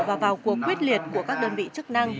và vào cuộc quyết liệt của các đơn vị chức năng